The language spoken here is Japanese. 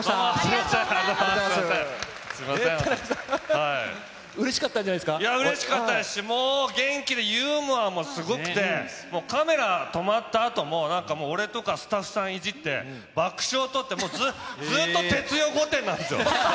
田中さん、うれしかったんじいや、うれしかったですし、もう元気でユーモアもすごくて、カメラ止まったあともなんかもう、俺とかスタッフさんいじって、爆笑取って、もうずっと哲代御殿なんですよ。